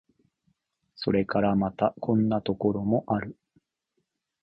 それからまた、こんなところもある。